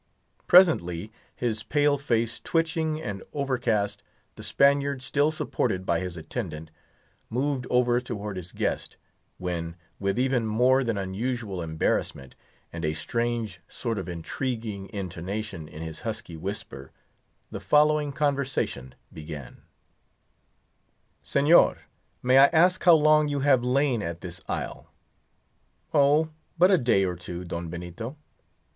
Presently, his pale face twitching and overcast, the Spaniard, still supported by his attendant, moved over towards his guest, when, with even more than his usual embarrassment, and a strange sort of intriguing intonation in his husky whisper, the following conversation began:— "Señor, may I ask how long you have lain at this isle?" "Oh, but a day or two, Don Benito."